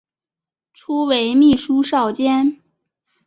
初为秘书少监。